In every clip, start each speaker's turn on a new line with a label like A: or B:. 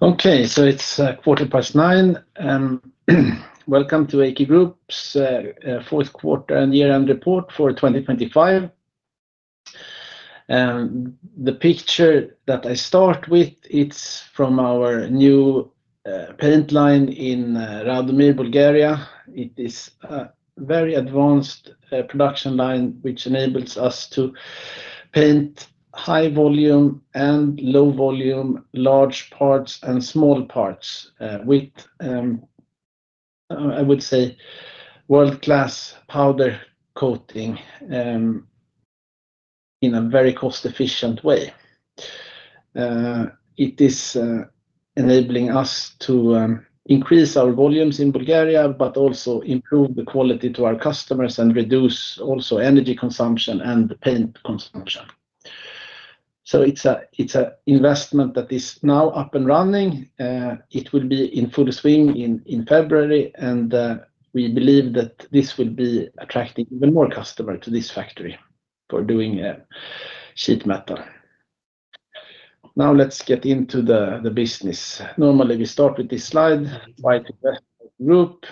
A: Okay, so it's 9:15 A.M., and welcome to AQ Group's fourth quarter and year-end report for 2025. The picture that I start with, it's from our new paint line in Radomir, Bulgaria. It is a very advanced production line, which enables us to paint high volume and low volume, large parts and small parts with, I would say, world-class powder coating in a very cost-efficient way. It is enabling us to increase our volumes in Bulgaria, but also improve the quality to our customers and reduce also energy consumption and paint consumption. So it's an investment that is now up and running. It will be in full swing in February, and we believe that this will be attracting even more customer to this factory for doing sheet metal. Now, let's get into the business. Normally, we start with this slide, AQ Group.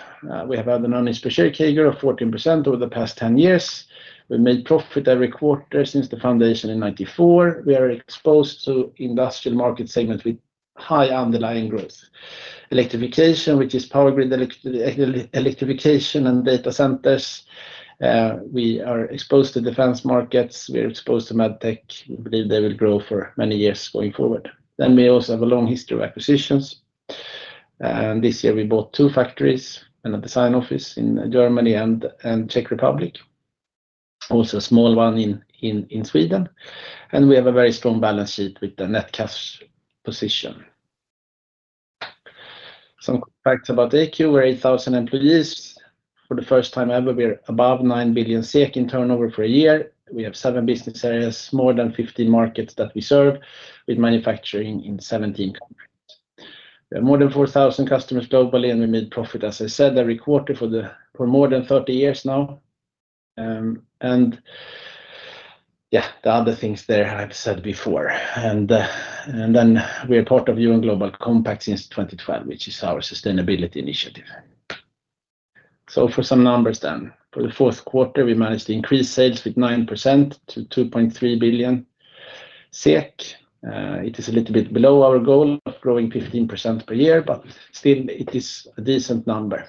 A: We have had an earnings per share CAGR of 14% over the past 10 years. We've made profit every quarter since the foundation in 1994. We are exposed to industrial market segments with high underlying growth. Electrification, which is power grid electrification and data centers. We are exposed to defense markets, we are exposed to MedTech. We believe they will grow for many years going forward. Then we also have a long history of acquisitions, and this year we bought two factories and a design office in Germany and Czech Republic. Also, a small one in Sweden, and we have a very strong balance sheet with the net cash position. Some facts about AQ. We're 8,000 employees. For the first time ever, we're above 9 billion SEK in turnover for a year. We have seven business areas, more than 15 markets that we serve, with manufacturing in 17 countries. We have more than 4,000 customers globally, and we made profit, as I said, every quarter for more than 30 years now. And, yeah, the other things there I've said before. And, and then we are part of UN Global Compact since 2012, which is our sustainability initiative. So for some numbers then. For the fourth quarter, we managed to increase sales with 9% to 2.3 billion SEK. It is a little bit below our goal of growing 15% per year, but still it is a decent number.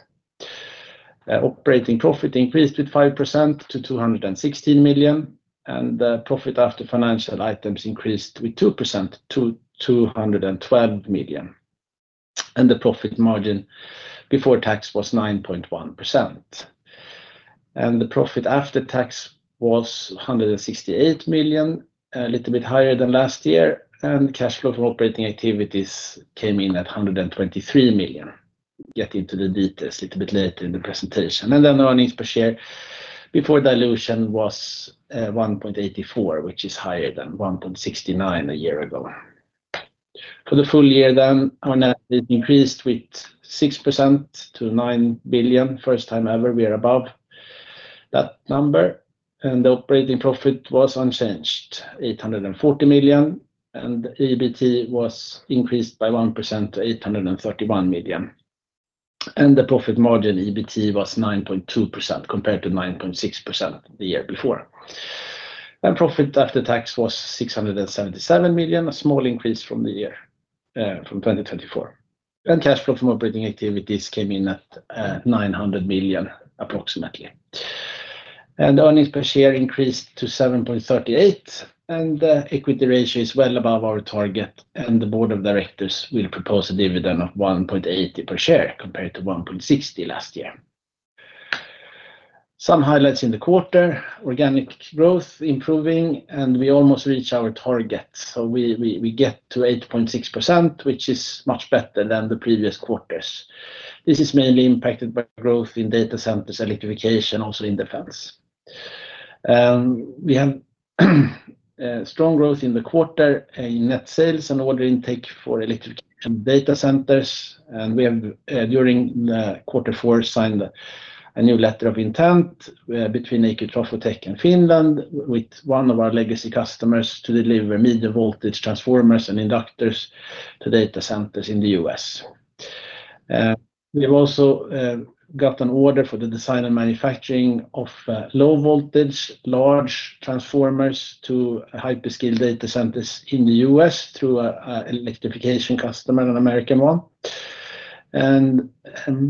A: Operating profit increased with 5% to 216 million, and the profit after financial items increased with 2% to 212 million, and the profit margin before tax was 9.1%. And the profit after tax was 168 million, a little bit higher than last year, and cash flow from operating activities came in at 123 million. Get into the details a little bit later in the presentation. And then the earnings per share before dilution was, 1.84, which is higher than 1.69 a year ago. For the full year, then our net increased with 6% to 9 billion. First time ever, we are above that number, and the operating profit was unchanged, 840 million, and EBT was increased by 1% to 831 million, and the profit margin EBT was 9.2%, compared to 9.6% the year before. And profit after tax was 677 million, a small increase from the year, from 2024. And cash flow from operating activities came in at 900 million, approximately. And earnings per share increased to 7.38, and the equity ratio is well above our target, and the board of directors will propose a dividend of 1.80 per share, compared to 1.60 last year. Some highlights in the quarter, organic growth improving, and we almost reached our target. So we get to 8.6%, which is much better than the previous quarters. This is mainly impacted by growth in data centers, electrification, also in defense. We have strong growth in the quarter in net sales and order intake for electric and data centers, and we have during quarter four signed a new letter of intent between AQ Trafotek and Finland with one of our legacy customers to deliver medium voltage transformers and inductors to data centers in the U.S. We've also got an order for the design and manufacturing of low voltage, large transformers to hyperscale data centers in the U.S. through an electrification customer, an American one.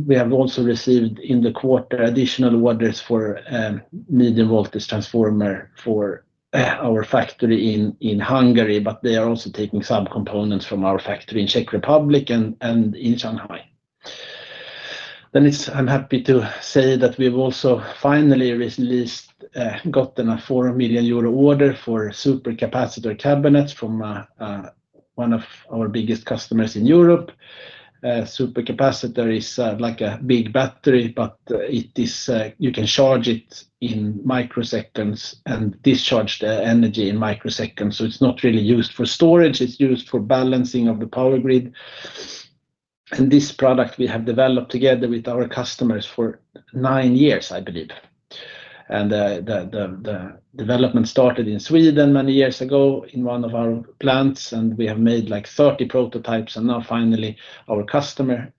A: We have also received in the quarter additional orders for medium voltage transformer for our factory in Hungary, but they are also taking some components from our factory in Czech Republic and in Shanghai. I'm happy to say that we've also finally recently gotten a 4 million euro order for supercapacitor cabinets from one of our biggest customers in Europe. Supercapacitor is like a big battery, but it is you can charge it in microseconds and discharge the energy in microseconds. So it's not really used for storage, it's used for balancing of the power grid. And this product we have developed together with our customers for nine years, I believe. The development started in Sweden many years ago in one of our plants, and we have made like 30 prototypes, and now finally our customer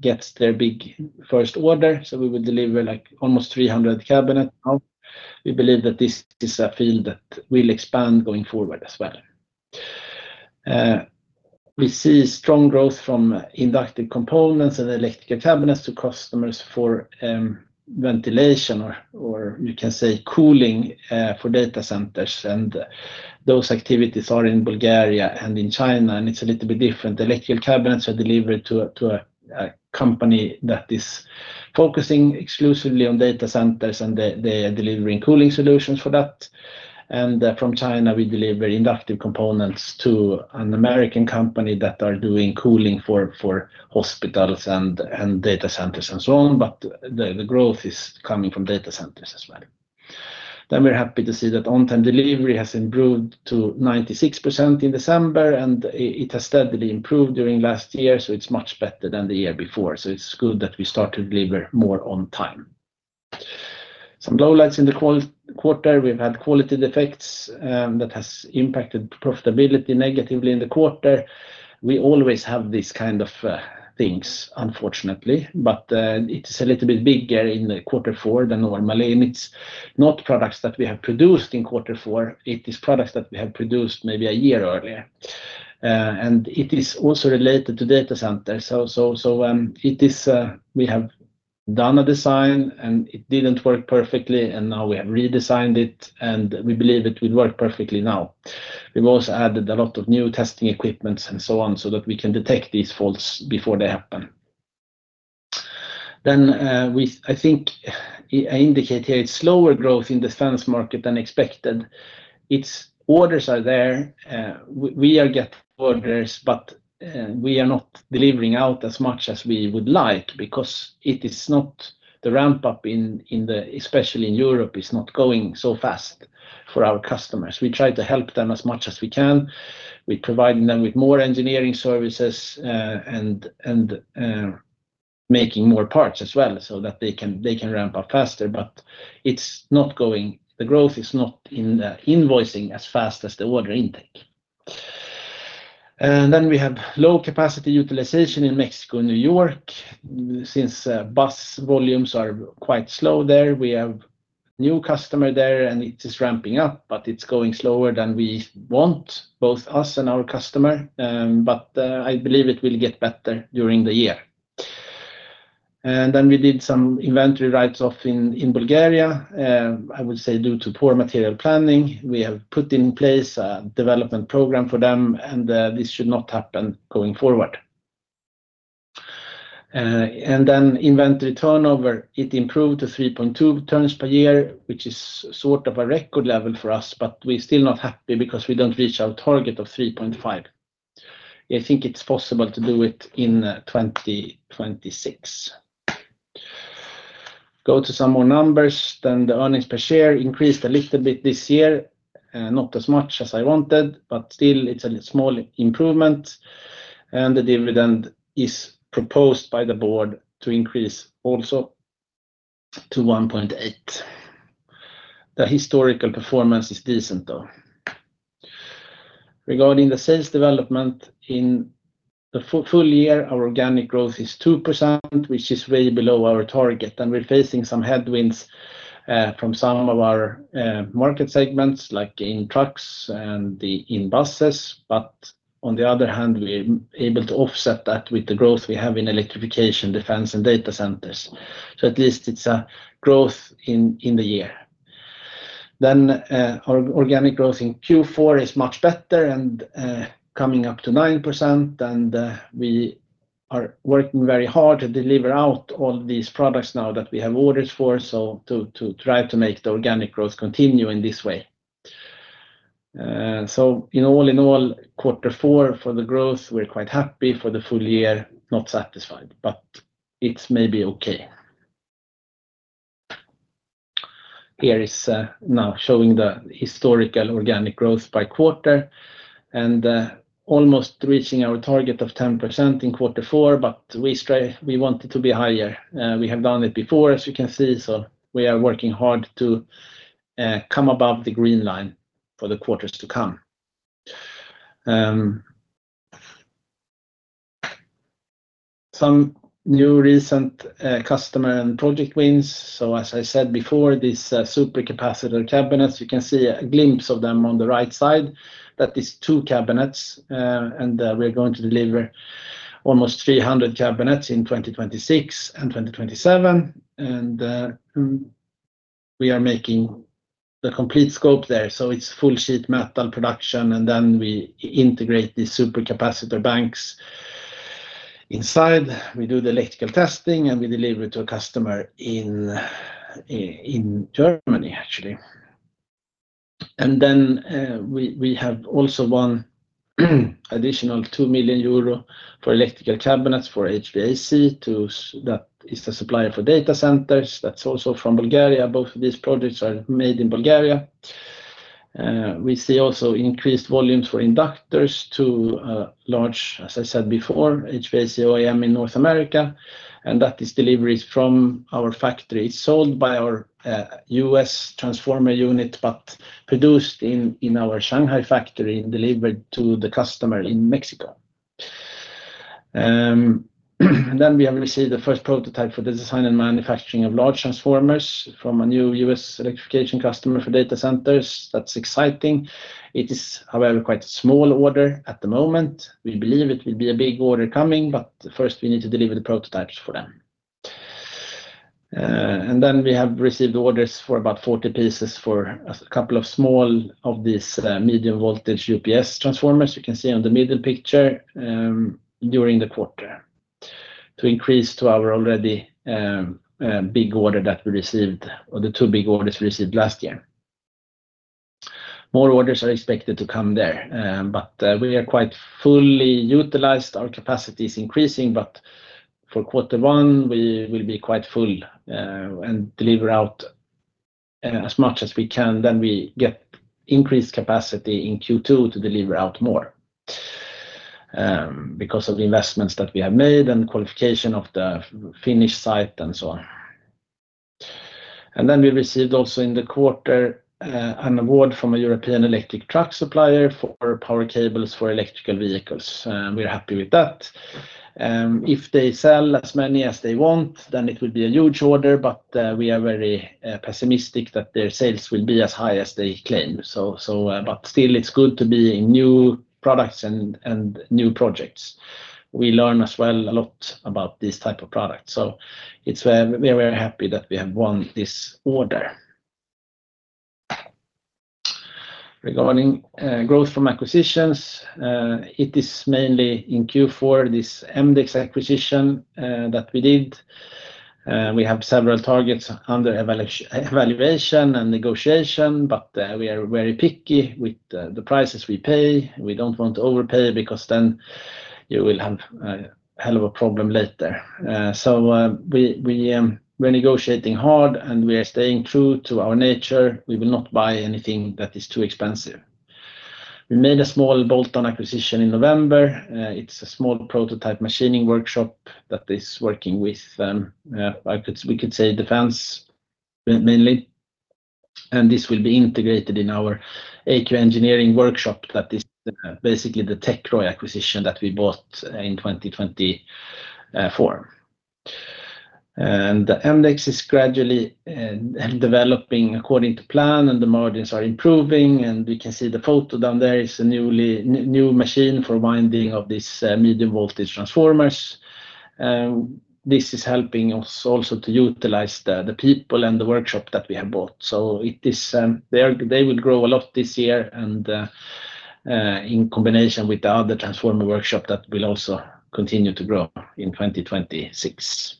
A: gets their big first order. So we will deliver like almost 300 cabinets now. We believe that this is a field that will expand going forward as well. We see strong growth from inductive components and electrical cabinets to customers for ventilation or you can say cooling for data centers. Those activities are in Bulgaria and in China, and it's a little bit different. Electrical cabinets are delivered to a company that is focusing exclusively on data centers, and they are delivering cooling solutions for that. From China, we deliver inductive components to an American company that are doing cooling for hospitals and data centers and so on, but the growth is coming from data centers as well. Then we're happy to see that on-time delivery has improved to 96% in December, and it has steadily improved during last year, so it's much better than the year before. So it's good that we start to deliver more on time. Some lowlights in the quarter. We've had quality defects that has impacted profitability negatively in the quarter. We always have these kind of things, unfortunately, but it's a little bit bigger in quarter four than normally, and it's not products that we have produced in quarter four, it is products that we have produced maybe a year earlier. And it is also related to data centers. So, we have done a design, and it didn't work perfectly, and now we have redesigned it, and we believe it will work perfectly now. We've also added a lot of new testing equipment and so on, so that we can detect these faults before they happen. Then, I think I indicate here it's slower growth in defense market than expected. Its orders are there, we are getting orders, but we are not delivering out as much as we would like because it is not the ramp-up, especially in Europe, is not going so fast for our customers. We try to help them as much as we can. We're providing them with more engineering services, and making more parts as well so that they can, they can ramp up faster, but it's not going, the growth is not in the invoicing as fast as the order intake. And then we have low capacity utilization in Mexico and New York. Since bus volumes are quite slow there, we have new customer there, and it is ramping up, but it's going slower than we want, both us and our customer, but I believe it will get better during the year. And then we did some inventory write-offs in Bulgaria, I would say, due to poor material planning. We have put in place a development program for them, and this should not happen going forward. Then inventory turnover, it improved to 3.2 turns per year, which is sort of a record level for us, but we're still not happy because we don't reach our target of 3.5. I think it's possible to do it in 2026. Go to some more numbers, then the earnings per share increased a little bit this year, not as much as I wanted, but still it's a small improvement, and the dividend is proposed by the board to increase also to 1.8. The historical performance is decent, though. Regarding the sales development in the full year, our organic growth is 2%, which is way below our target, and we're facing some headwinds from some of our market segments, like in trucks and in buses. But on the other hand, we're able to offset that with the growth we have in electrification, defense, and data centers. So at least it's a growth in the year. Then, our organic growth in Q4 is much better and, coming up to 9%, and, we are working very hard to deliver out all these products now that we have orders for, so to try to make the organic growth continue in this way. So in all in all, quarter four for the growth, we're quite happy for the full year, not satisfied, but it's maybe okay. Here is, now showing the historical organic growth by quarter and, almost reaching our target of 10% in quarter four, but we stay we want it to be higher. We have done it before, as you can see, so we are working hard to come above the green line for the quarters to come. Some new recent customer and project wins. So, as I said before, these supercapacitor cabinets, you can see a glimpse of them on the right side. That is two cabinets, and we're going to deliver almost 300 cabinets in 2026 and 2027, and we are making the complete scope there. So it's full sheet metal production, and then we integrate the supercapacitor banks inside. We do the electrical testing, and we deliver it to a customer in in Germany, actually. And then, we have also won additional 2 million euro for electrical cabinets for HVAC, too. That is the supplier for data centers. That's also from Bulgaria. Both of these projects are made in Bulgaria. We see also increased volumes for inductors to, large, as I said before, HVAC OEM in North America, and that is deliveries from our factory, sold by our, U.S. transformer unit, but produced in, in our Shanghai factory and delivered to the customer in Mexico. Then we have received the first prototype for the design and manufacturing of large transformers from a new U.S. electrification customer for data centers. That's exciting. It is, however, quite a small order at the moment. We believe it will be a big order coming, but first we need to deliver the prototypes for them. And then we have received orders for about 40 pieces for a couple of small of these medium voltage UPS transformers, you can see on the middle picture, during the quarter, to increase to our already big order that we received or the two big orders we received last year. More orders are expected to come there, but we are quite fully utilized. Our capacity is increasing, but for quarter one, we will be quite full and deliver out as much as we can. Then we get increased capacity in Q2 to deliver out more because of the investments that we have made and qualification of the Finnish site and so on. Then we received also in the quarter, an award from a European electric truck supplier for power cables for electrical vehicles, and we're happy with that. If they sell as many as they want, then it will be a huge order, but we are very pessimistic that their sales will be as high as they claim. But still, it's good to be in new products and new projects. We learn as well a lot about this type of product, so it's, we're very happy that we have won this order. Regarding growth from acquisitions, it is mainly in Q4, this mdexx acquisition that we did. We have several targets under evaluation and negotiation, but we are very picky with the prices we pay. We don't want to overpay, because then you will have a hell of a problem later. We're negotiating hard and we are staying true to our nature. We will not buy anything that is too expensive. We made a small bolt-on acquisition in November. It's a small prototype machining workshop that is working with, I could, we could say defense mainly, and this will be integrated in our AQ engineering workshop that is basically the TechROi acquisition that we bought in 2024. And mdexx is gradually developing according to plan, and the margins are improving, and we can see the photo down there. It's a new machine for winding of this medium voltage transformers. This is helping us also to utilize the people and the workshop that we have bought. So it is, they will grow a lot this year and, in combination with the other transformer workshop, that will also continue to grow in 2026.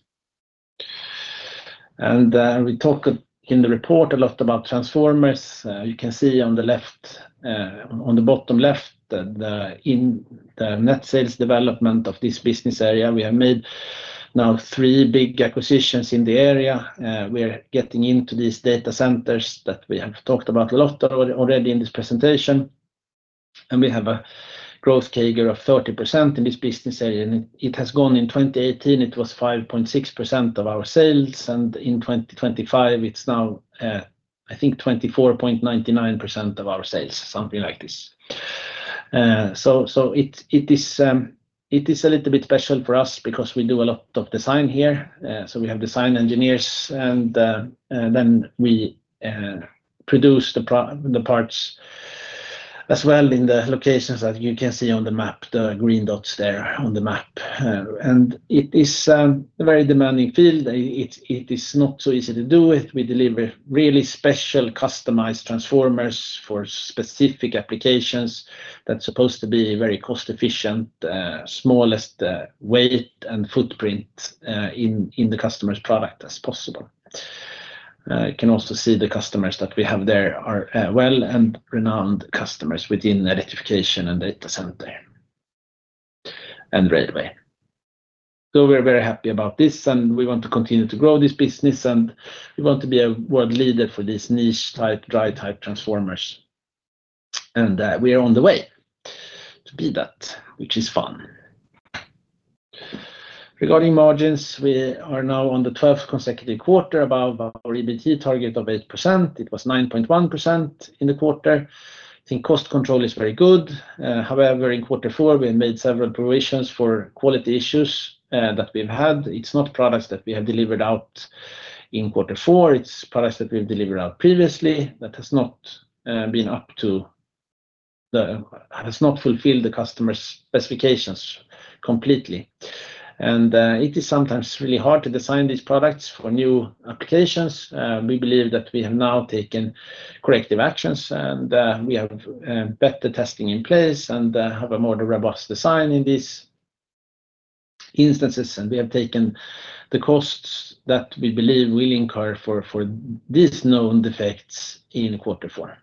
A: We talked in the report a lot about transformers. You can see on the left, on the bottom left, the, in the net sales development of this business area, we have made now three big acquisitions in the area. We are getting into these data centers that we have talked about a lot already in this presentation, and we have a growth CAGR of 30% in this business area, and it has gone in 2018, it was 5.6% of our sales, and in 2025, it's now, I think 24.99% of our sales, something like this. So it is a little bit special for us because we do a lot of design here. So we have design engineers, and then we produce the parts as well in the locations that you can see on the map, the green dots there on the map. And it is a very demanding field. It is not so easy to do it. We deliver really special, customized transformers for specific applications that's supposed to be very cost efficient, smallest weight and footprint in the customer's product as possible. You can also see the customers that we have there are well-known and renowned customers within electrification and data center, and railway. So we're very happy about this, and we want to continue to grow this business, and we want to be a world leader for this niche-type, dry-type transformers. And, we are on the way to be that, which is fun. Regarding margins, we are now on the twelfth consecutive quarter above our EBT target of 8%. It was 9.1% in the quarter. I think cost control is very good. However, in quarter four, we made several provisions for quality issues, that we've had. It's not products that we have delivered out in quarter four, it's products that we've delivered out previously that has not, been up to the, has not fulfilled the customer's specifications completely. And, it is sometimes really hard to design these products for new applications. We believe that we have now taken corrective actions, and we have better testing in place and have a more robust design in these instances, and we have taken the costs that we believe we'll incur for these known defects in quarter four.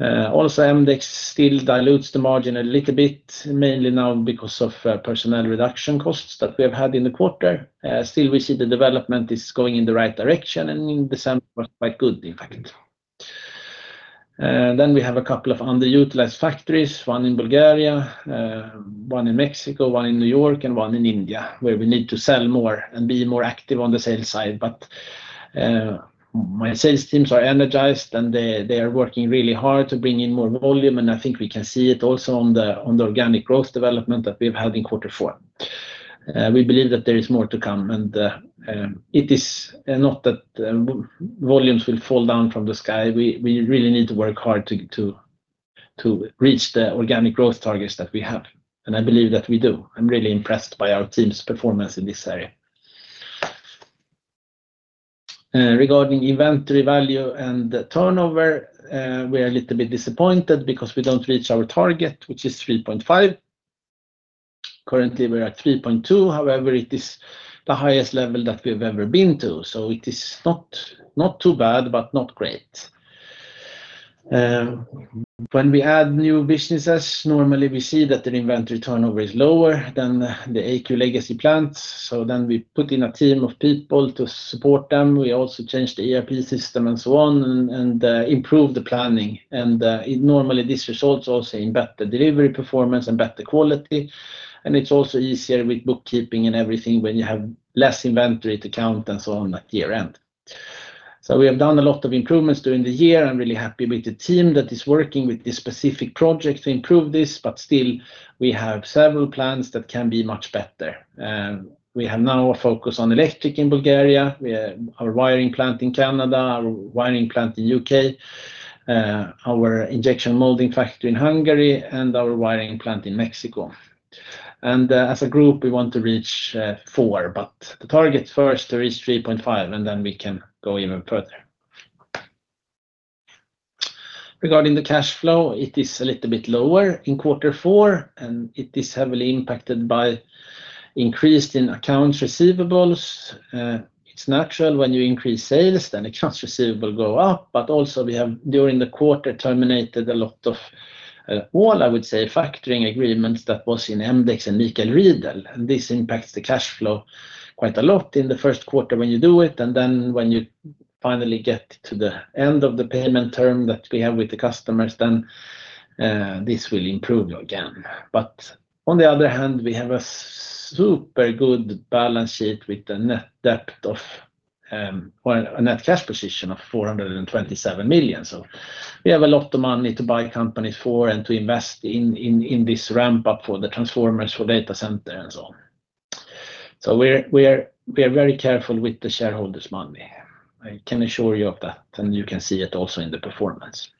A: Also, mdexx still dilutes the margin a little bit, mainly now because of personnel reduction costs that we have had in the quarter. Still, we see the development is going in the right direction, and in December was quite good, in fact. And then we have a couple of underutilized factories, one in Bulgaria, one in Mexico, one in New York, and one in India, where we need to sell more and be more active on the sales side. But, my sales teams are energized, and they, they are working really hard to bring in more volume, and I think we can see it also on the, on the organic growth development that we've had in quarter four. We believe that there is more to come, and, it is, not that, volumes will fall down from the sky. We, we really need to work hard to, to, to reach the organic growth targets that we have, and I believe that we do. I'm really impressed by our team's performance in this area. Regarding inventory value and the turnover, we are a little bit disappointed because we don't reach our target, which is 3.5. Currently, we're at 3.2. However, it is the highest level that we've ever been to, so it is not, not too bad, but not great. When we add new businesses, normally we see that the inventory turnover is lower than the AQ legacy plants. So then we put in a team of people to support them. We also change the ERP system and so on and improve the planning. It normally results also in better delivery performance and better quality, and it's also easier with bookkeeping and everything when you have less inventory to count and so on at year-end. So we have done a lot of improvements during the year. I'm really happy with the team that is working with this specific project to improve this, but still, we have several plants that can be much better. We have now a focus on electric in Bulgaria, our wiring plant in Canada, our wiring plant in U.K., our injection molding factory in Hungary, and our wiring plant in Mexico. As a group, we want to reach 4, but the target first there is 3.5, and then we can go even further. Regarding the cash flow, it is a little bit lower in quarter four, and it is heavily impacted by increased in accounts receivables. It's natural when you increase sales, then accounts receivable go up. But also we have, during the quarter, terminated a lot of, all I would say, factoring agreements that was in mdexx and Michael Riedel, and this impacts the cash flow quite a lot in the first quarter when you do it, and then when you finally get to the end of the payment term that we have with the customers, then, this will improve again. But on the other hand, we have a super good balance sheet with the net debt of, well, a net cash position of 427 million. So we have a lot of money to buy companies for and to invest in, in, in this ramp-up for the transformers, for data center and so on. So we're, we're, we're very careful with the shareholders' money. I can assure you of that, and you can see it also in the performance.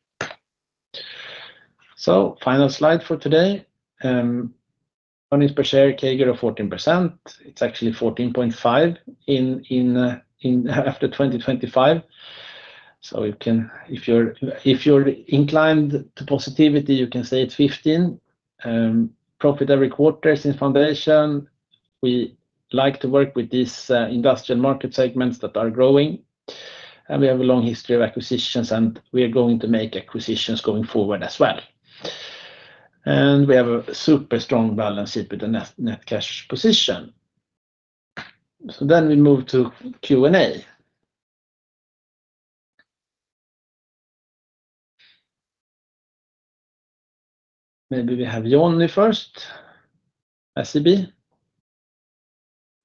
A: So final slide for today, earnings per share CAGR of 14%. It's actually 14.5% in after 2025. So you can, if you're inclined to positivity, you can say it's 15%. Profit every quarter is in foundation. We like to work with these industrial market segments that are growing, and we have a long history of acquisitions, and we are going to make acquisitions going forward as well. And we have a super strong balance sheet with a net cash position. So then we move to Q&A. Maybe we have Johnny first, SEB.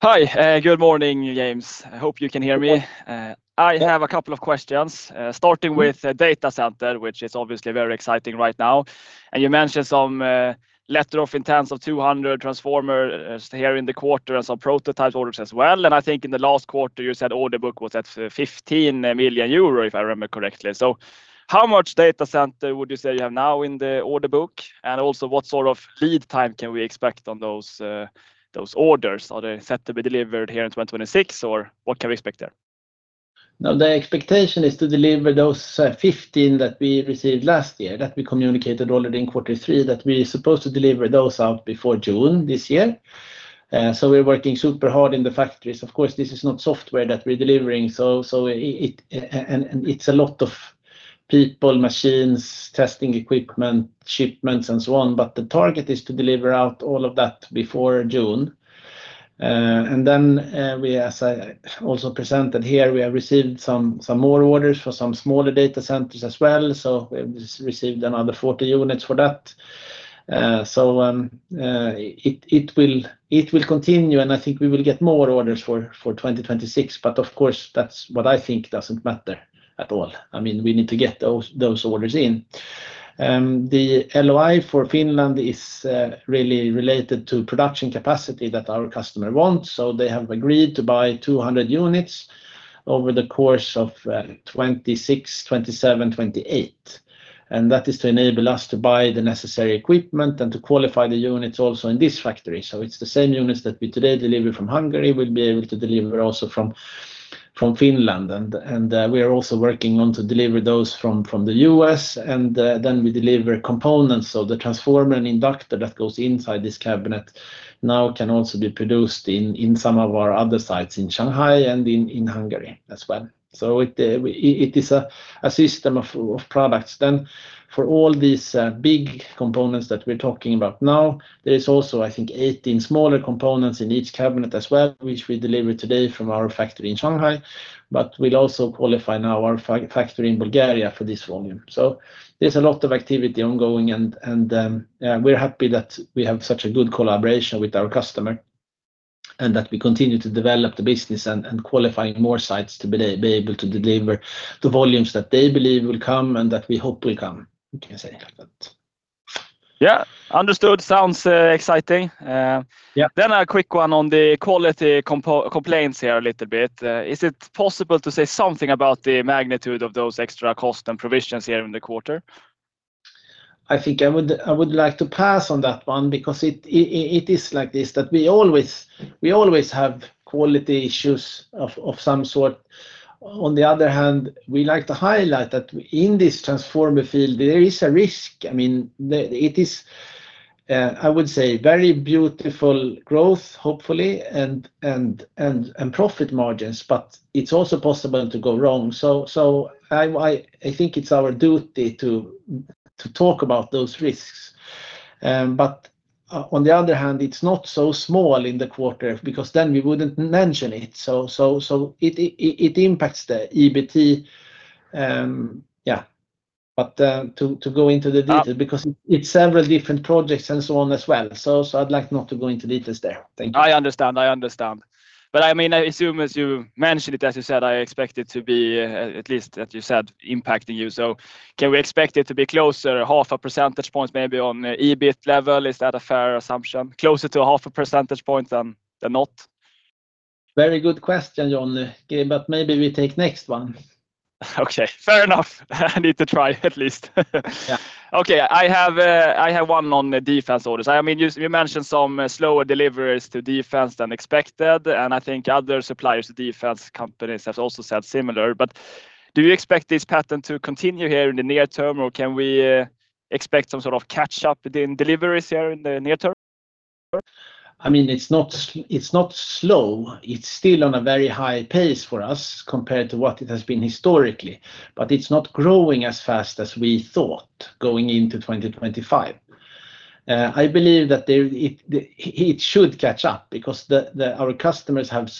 B: Hi, good morning, James. I hope you can hear me.
A: Okay.
B: I have a couple of questions, starting with.
A: Mm-hmm.
B: Data center, which is obviously very exciting right now. And you mentioned some letter of intents of 200 transformer here in the quarter and some prototype orders as well. And I think in the last quarter, you said order book was at 15 million euro, if I remember correctly. So how much data center would you say you have now in the order book? And also, what sort of lead time can we expect on those orders? Are they set to be delivered here in 2026, or what can we expect there?
A: Now, the expectation is to deliver those 15 that we received last year, that we communicated already in quarter three, that we are supposed to deliver those out before June this year. So we're working super hard in the factories. Of course, this is not software that we're delivering, so it and it's a lot of people, machines, testing equipment, shipments, and so on. But the target is to deliver out all of that before June. And then, as I also presented here, we have received some more orders for some smaller data centers as well, so we've just received another 40 units for that. So it will continue, and I think we will get more orders for 2026. But of course, that's what I think doesn't matter at all. I mean, we need to get those orders in. The LOI for Finland is really related to production capacity that our customer wants. So they have agreed to buy 200 units over the course of 2026, 2027, 2028. And that is to enable us to buy the necessary equipment and to qualify the units also in this factory. So it's the same units that we today deliver from Hungary. We'll be able to deliver also from Finland, and we are also working on to deliver those from the U.S., and then we deliver components of the transformer and inductor that goes inside this cabinet now can also be produced in some of our other sites in Shanghai and in Hungary as well. So it is a system of products. Then for all these big components that we're talking about now, there is also, I think, 18 smaller components in each cabinet as well, which we deliver today from our factory in Shanghai, but we'll also qualify now our factory in Bulgaria for this volume. So there's a lot of activity ongoing, and we're happy that we have such a good collaboration with our customer, and that we continue to develop the business and qualifying more sites to be able to deliver the volumes that they believe will come and that we hope will come, you can say that.
B: Yeah, understood. Sounds exciting.
A: Yeah.
B: A quick one on the quality complaints here a little bit. Is it possible to say something about the magnitude of those extra cost and provisions here in the quarter?
A: I think I would like to pass on that one because it is like this, that we always have quality issues of some sort. On the other hand, we like to highlight that in this transformer field, there is a risk. I mean, it is, I would say, very beautiful growth, hopefully, and profit margins, but it's also possible to go wrong. So I think it's our duty to talk about those risks. But on the other hand, it's not so small in the quarter because then we wouldn't mention it. So it impacts the EBT. Yeah, but to go into the details.
B: Ah.
A: Because it's several different projects and so on as well. So, so I'd like not to go into details there. Thank you.
B: I understand, I understand. But I mean, I assume as you mentioned it, as you said, I expect it to be, at least, as you said, impacting you. So can we expect it to be closer, 0.5 percentage points, maybe on, EBIT level? Is that a fair assumption, closer to 0.5 percentage points than, than not?
A: Very good question, John, but maybe we take next one.
B: Okay, fair enough. I need to try at least.
A: Yeah.
B: Okay. I have, I have one on the defense orders. I mean, you, you mentioned some slower deliveries to defense than expected, and I think other suppliers to defense companies have also said similar. But do you expect this pattern to continue here in the near term, or can we, expect some sort of catch up in deliveries here in the near term?
A: I mean, it's not slow. It's still on a very high pace for us compared to what it has been historically, but it's not growing as fast as we thought going into 2025. I believe that it should catch up because our customers have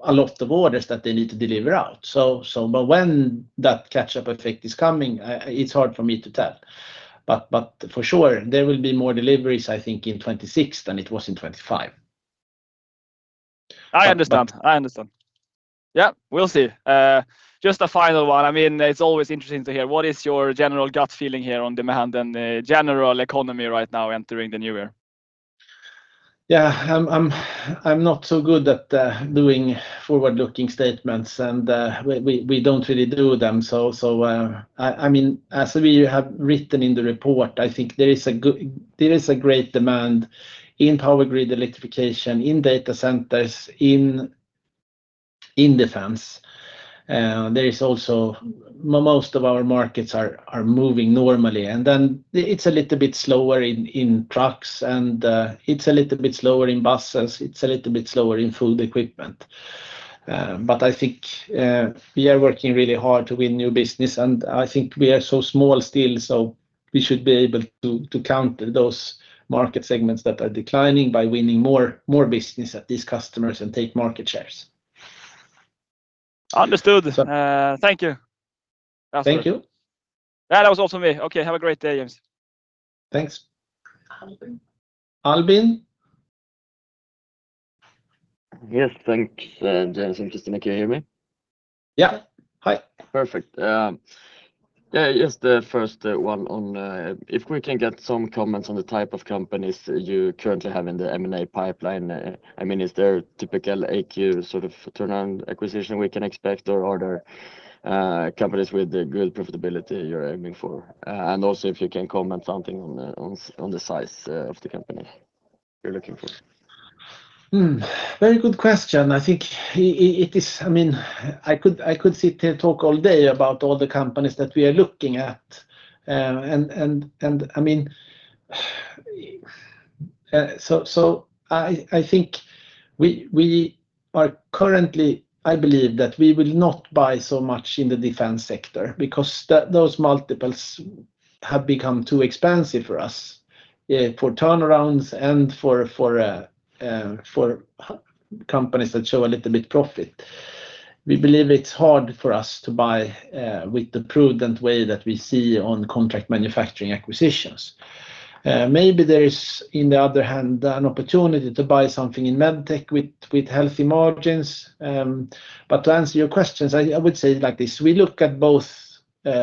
A: a lot of orders that they need to deliver out. So but when that catch-up effect is coming, it's hard for me to tell. But for sure, there will be more deliveries, I think, in 2026 than it was in 2025.
B: I understand.
A: But.
B: I understand. Yeah, we'll see. Just a final one. I mean, it's always interesting to hear, what is your general gut feeling here on demand and the general economy right now entering the new year?
A: Yeah, I'm not so good at doing forward-looking statements, and we don't really do them. So, I mean, as we have written in the report, I think there is a great demand in power grid electrification, in data centers, in defense. There is also, most of our markets are moving normally, and then it's a little bit slower in trucks, and it's a little bit slower in buses, it's a little bit slower in food equipment. But I think we are working really hard to win new business, and I think we are so small still, so we should be able to counter those market segments that are declining by winning more business at these customers and take market shares.
B: Understood. Thank you.
A: Thank you.
B: Yeah, that was awesome me. Okay, have a great day, James.
A: Thanks.
C: Albin.
A: Albin?
D: Yes, thanks, James and Christina. Can you hear me?
A: Yeah. Hi.
D: Perfect. Yeah, yes, the first one on. If we can get some comments on the type of companies you currently have in the M&A pipeline. I mean, is there a typical AQ sort of turnaround acquisition we can expect, or are there companies with a good profitability you're aiming for? And also, if you can comment something on the size of the company you're looking for.
A: Hmm, very good question. I think it is. I mean, I could, I could sit here talk all day about all the companies that we are looking at, and, and, and I mean, so, so I, I think we, we are currently. I believe that we will not buy so much in the defense sector because those multiples have become too expensive for us, for turnarounds and for, for, for companies that show a little bit profit. We believe it's hard for us to buy with the prudent way that we see on contract manufacturing acquisitions. Maybe there is, in the other hand, an opportunity to buy something in med tech with, with healthy margins. But to answer your questions, I would say like this: we look at both,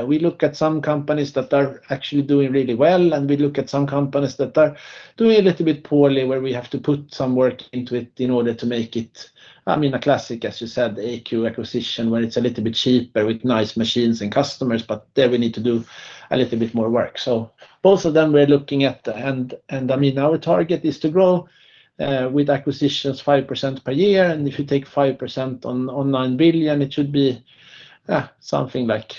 A: we look at some companies that are actually doing really well, and we look at some companies that are doing a little bit poorly, where we have to put some work into it in order to make it, I mean, a classic, as you said, AQ acquisition, where it's a little bit cheaper with nice machines and customers, but there we need to do a little bit more work. So both of them we're looking at, and, and I mean, our target is to grow with acquisitions 5% per year, and if you take 5% on 9 billion, it should be something like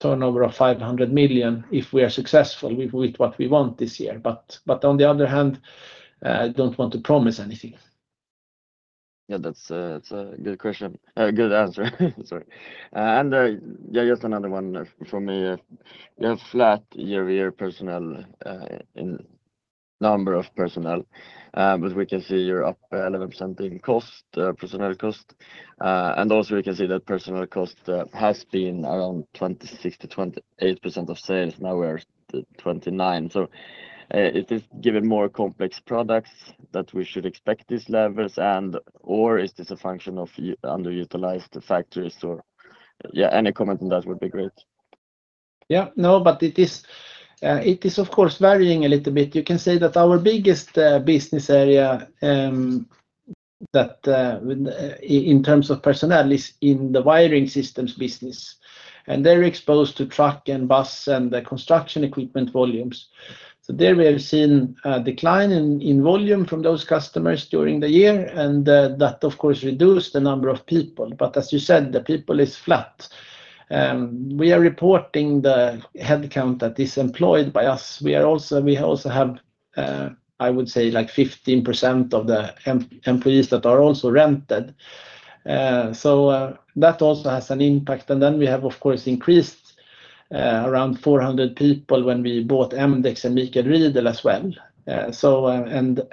A: turnover of 500 million if we are successful with what we want this year. But on the other hand, I don't want to promise anything.
D: Yeah, that's a, that's a good question. Good answer. Sorry. And, yeah, just another one for me. You have flat year-over-year personnel, in number of personnel, but we can see you're up 11% in cost, personnel cost. And also we can see that personnel cost has been around 26%-28% of sales. Now we're at 29%. So, is this given more complex products that we should expect these levels and/or is this a function of underutilized factories or? Yeah, any comment on that would be great.
A: Yeah. No, but it is, of course, varying a little bit. You can say that our biggest business area, that in terms of personnel is in the wiring systems business, and they're exposed to truck and bus and the construction equipment volumes. So there we have seen a decline in volume from those customers during the year, and that, of course, reduced the number of people. But as you said, the people is flat. We are reporting the headcount that is employed by us. We also have, I would say, like, 15% of the employees that are also rented. So that also has an impact. And then we have, of course, increased around 400 people when we bought mdexx and Michael Riedel as well. So,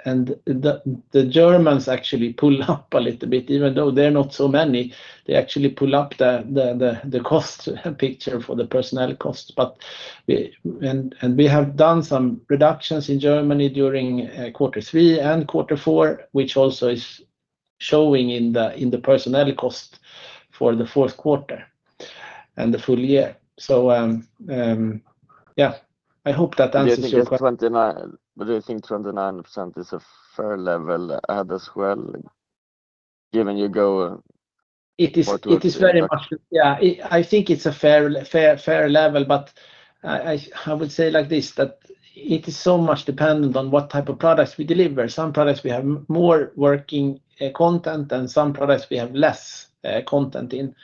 A: the Germans actually pull up a little bit. Even though they're not so many, they actually pull up the cost picture for the personnel cost. But we have done some reductions in Germany during quarter three and quarter four, which also is showing in the personnel cost for the fourth quarter and the full year. So, yeah, I hope that answers your question.
D: Do you think 29%. But do you think 29% is a fair level, as well, given you go, forward to.
A: It is very much. Yeah, I think it's a fair level, but I would say like this, that it is so much dependent on what type of products we deliver. Some products we have more working content, and some products we have less content in.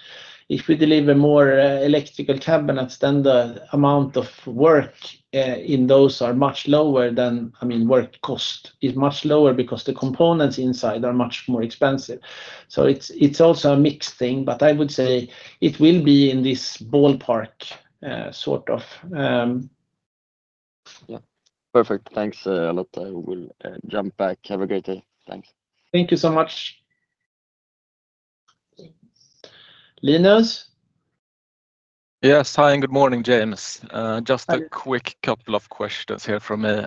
A: If we deliver more electrical cabinets, then the amount of work in those are much lower than, I mean, work cost is much lower because the components inside are much more expensive. So it's also a mixed thing, but I would say it will be in this ballpark sort of.
D: Yeah. Perfect. Thanks a lot. I will jump back. Have a great day. Thanks.
A: Thank you so much. Linus?
E: Yes. Hi, and good morning, James. Just a quick couple of questions here from me.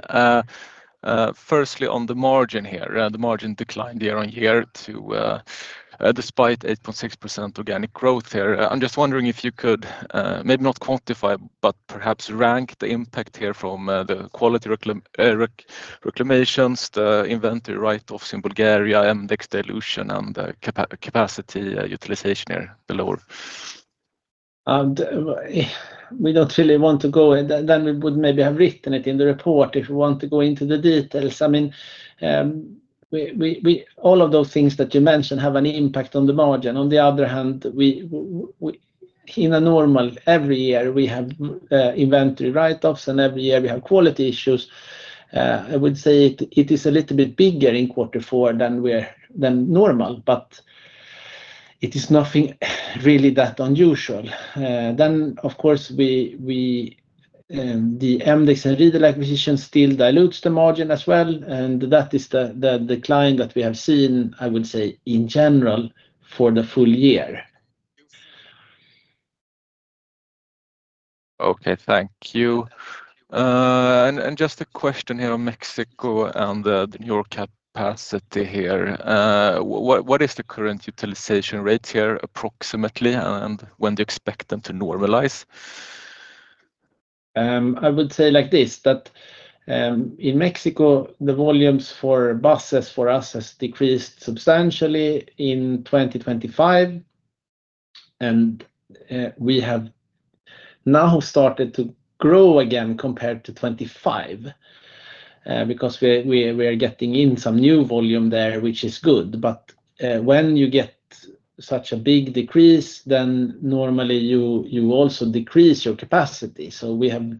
E: Firstly, on the margin here, the margin declined year-on-year to, despite 8.6% organic growth here. I'm just wondering if you could, maybe not quantify, but perhaps rank the impact here from the quality reclamations, the inventory write-offs in Bulgaria, mdexx dilution, and the capacity utilization here below.
A: We don't really want to go. Then we would maybe have written it in the report if we want to go into the details. I mean, all of those things that you mentioned have an impact on the margin. On the other hand, in a normal every year, we have inventory write-offs, and every year we have quality issues. I would say it is a little bit bigger in quarter four than normal, but it is nothing really that unusual. Then, of course, the mdexx and Riedel acquisition still dilutes the margin as well, and that is the decline that we have seen, I would say, in general, for the full year.
E: Okay, thank you. And just a question here on Mexico and your capacity here. What is the current utilization rate here, approximately, and when do you expect them to normalize?
A: I would say like this, that in Mexico, the volumes for buses for us has decreased substantially in 2025, and we have now started to grow again compared to 2025 because we are getting in some new volume there, which is good. But when you get such a big decrease, then normally you also decrease your capacity. So we have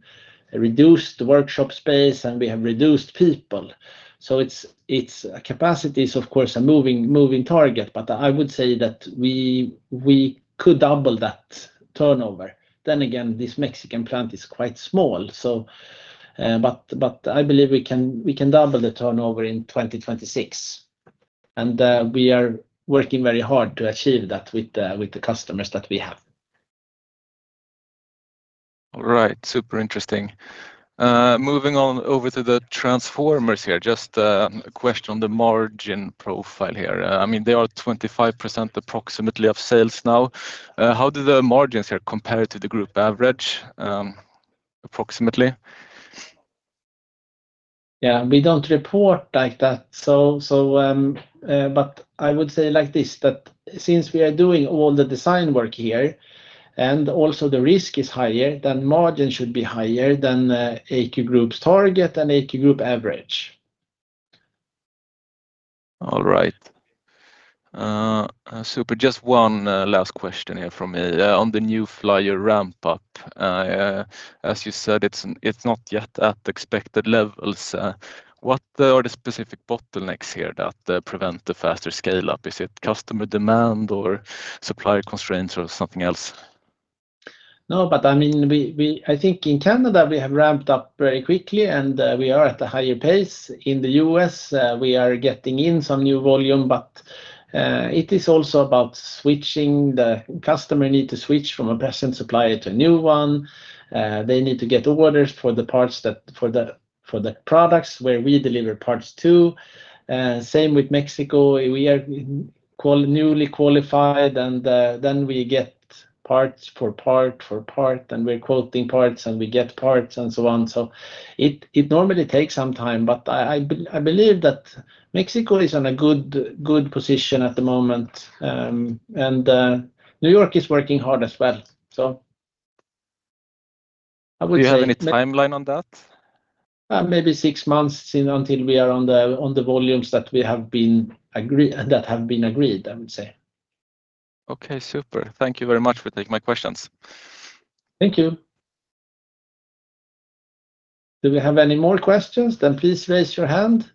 A: reduced the workshop space, and we have reduced people. So it's a capacity is, of course, a moving target, but I would say that we could double that turnover. Then again, this Mexican plant is quite small. So but I believe we can double the turnover in 2026, and we are working very hard to achieve that with the customers that we have.
E: All right. Super interesting. Moving on over to the transformers here, just a question on the margin profile here. I mean, they are 25% approximately of sales now. How do the margins here compare to the group average, approximately?
A: Yeah, we don't report like that. But I would say like this, that since we are doing all the design work here, and also the risk is higher, then margin should be higher than AQ Group's target and AQ Group average.
E: All right. Super. Just one last question here from me. On the New Flyer ramp up, as you said, it's not yet at the expected levels. What are the specific bottlenecks here that prevent the faster scale up? Is it customer demand or supply constraints or something else?
A: No, but I mean, we, I think in Canada, we have ramped up very quickly, and we are at a higher pace. In the U.S., we are getting in some new volume, but it is also about switching. The customer need to switch from a present supplier to a new one. They need to get orders for the parts that for the products where we deliver parts to. Same with Mexico. We are newly qualified, and then we get parts for parts, and we're quoting parts, and we get parts, and so on. So it normally takes some time, but I believe that Mexico is on a good position at the moment. And New York is working hard as well, so I would say.
E: Do you have any timeline on that?
A: Maybe six months until we are on the volumes that have been agreed, I would say.
E: Okay, super. Thank you very much for taking my questions.
A: Thank you. Do we have any more questions? Then please raise your hand.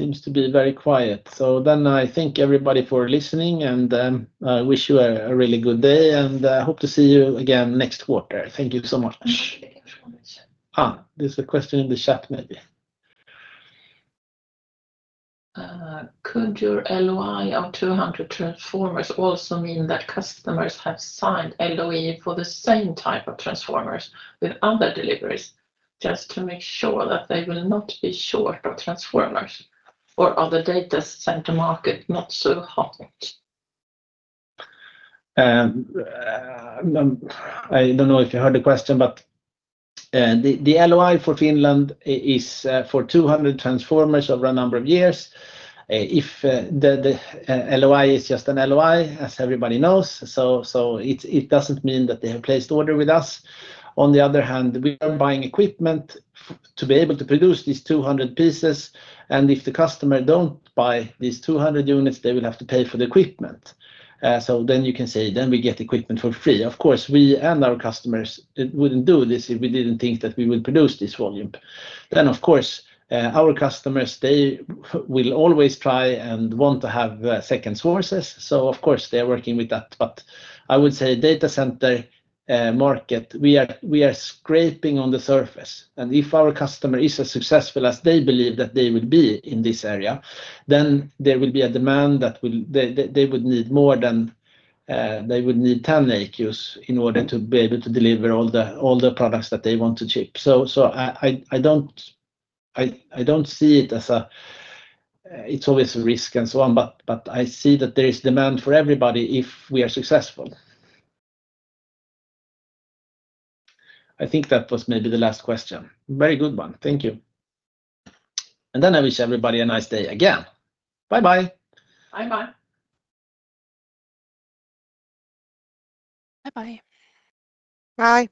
A: Seems to be very quiet, so then I thank everybody for listening, and I wish you a really good day, and I hope to see you again next quarter. Thank you so much.
C: Transformers.
A: Ah, there's a question in the chat maybe.
C: Could your LOI of 200 transformers also mean that customers have signed LOI for the same type of transformers with other deliveries, just to make sure that they will not be short of transformers or are the data center market not so hot?
A: I don't know if you heard the question, but the LOI for Finland is for 200 transformers over a number of years. If the LOI is just an LOI, as everybody knows, so it doesn't mean that they have placed order with us. On the other hand, we are buying equipment to be able to produce these 200 pieces, and if the customer don't buy these 200 units, they will have to pay for the equipment. So then you can say, "Then we get equipment for free." Of course, we and our customers, it wouldn't do this if we didn't think that we will produce this volume. Then, of course, our customers, they will always try and want to have second sources, so of course, they're working with that. But I would say data center market, we are scraping on the surface, and if our customer is as successful as they believe that they would be in this area, then there will be a demand that will, they would need more than they would need 10 AQs in order to be able to deliver all the products that they want to ship. So I don't see it as a, it's always a risk and so on, but I see that there is demand for everybody if we are successful. I think that was maybe the last question. Very good one. Thank you. And then I wish everybody a nice day again. Bye-bye.
C: Bye-bye.
F: Bye-bye.
G: Bye.